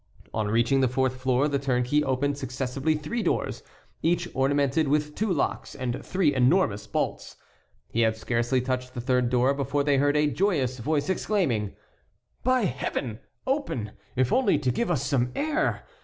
On reaching the fourth floor the turnkey opened successively three doors, each ornamented with two locks and three enormous bolts. He had scarcely touched the third door before they heard a joyous voice exclaiming: "By Heaven! open; if only to give us some air.